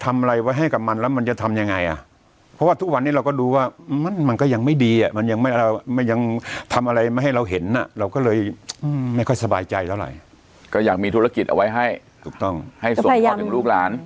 ไม่ค่อยสบายใจเท่าไหร่ก็อยากมีธุรกิจเอาไว้ให้ให้ส่งพอถึงลูกหลาน